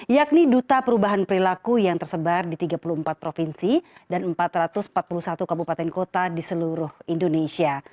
yakni duta perubahan perilaku yang tersebar di tiga puluh empat provinsi dan empat ratus empat puluh satu kabupaten kota di seluruh indonesia